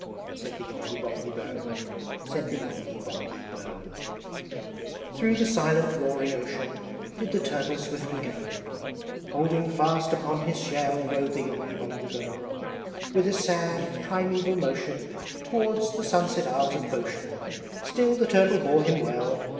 Said the Yonghy Bonghy Bò, Said the Yonghy Bonghy Bò. IX. Through the silent roaring ocean Did the Turtle swiftly go; Holding fast upon his shell Rode the Yonghy Bonghy Bò. With a sad primaeval motion Towards the sunset isles of Boshen Still the Turtle bore him well.